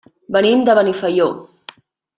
Venim de Benifaió.